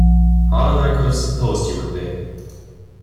Harder than I could have supposed you would be.